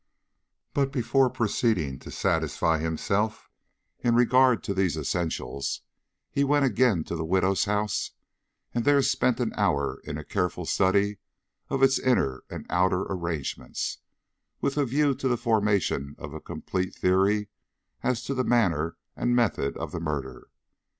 But before proceeding to satisfy himself in regard to these essentials, he went again to the widow's house and there spent an hour in a careful study of its inner and outer arrangements, with a view to the formation of a complete theory as to the manner and method of the murder.